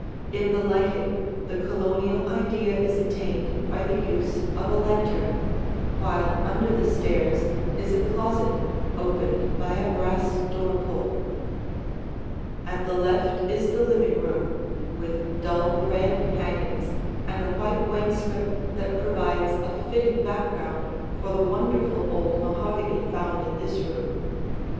In the lighting, the Colonial idea is attained by the use of a lantern, while under the stairs is a closet opened by a brass door pull. [Illustration: The Living Room] At the left is the living room, with dull red hangings and a white wainscot that provides a fitting background for the wonderful old mahogany found in this room.